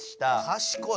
かしこい。